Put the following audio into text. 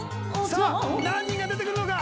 さあ何人が出てくるのか？